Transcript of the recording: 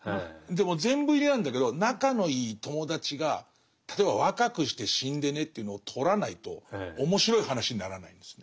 でも全部入りなんだけど仲のいい友達が例えば若くして死んでねっていうのをとらないと面白い話にならないんです。